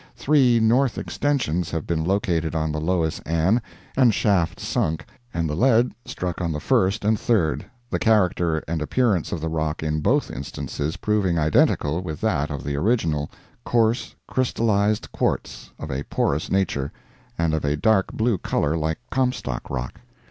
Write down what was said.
Three north extensions have been located on the Lois Ann, and shafts sunk, and the lead struck on the first and third, the character and appearance of the rock in both instances proving identical with that of the original—coarse crystalized quartz, of a porous nature, and of a dark blue color like Comstock rock.